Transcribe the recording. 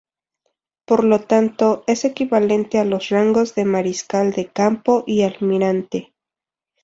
Por lo tanto, es equivalente a los rangos de Mariscal de campo y Almirante.